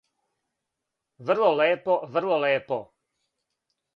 Врло лепо, врло лепо.